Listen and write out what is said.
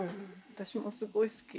私もすごい好き。